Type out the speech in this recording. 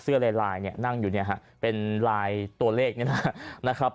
เสื้อลายนั่งอยู่เป็นลายตัวเลขนี่นะครับ